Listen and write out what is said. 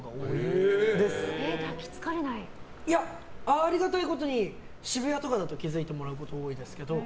ありがたいことに渋谷とかだと気付いてもらうこと多いですけど。